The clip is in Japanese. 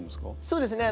そうですね